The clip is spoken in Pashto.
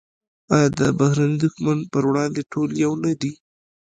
آیا د بهرني دښمن پر وړاندې ټول یو نه دي؟